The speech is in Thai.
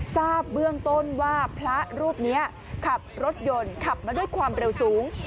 ทราบเบื้องต้นว่าพระรูปนี้ขับรถยนต์ขับมาด้วยความเร็วสูง